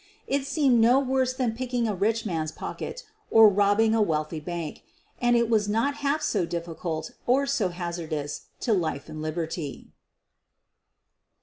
It seemed no worse than picking a rich man's pocket or robbing a wealthy bank — and it was not half so difficult or so hazardous to life and liberty.